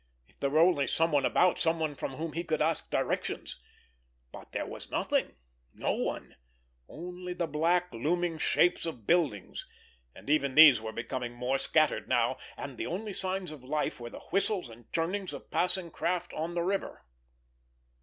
If there were only someone about—someone from whom he could ask directions! But there was nothing, no one, only the black, looming shapes of buildings, and even these were becoming more scattered now; and the only signs of life were the whistles and churnings of passing craft on the river.